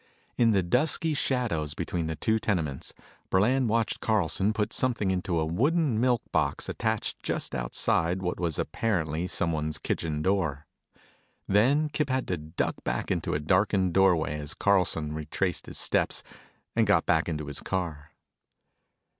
In the dusky shadows between the two tenements, Burland watched Carlson put something into a wooden milk box attached just outside what was apparently someone's kitchen door. Then Kip had to duck back into a darkened doorway as Carlson retraced his steps, and got back into his car.